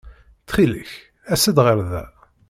Ttxil-k, as-d ɣer da.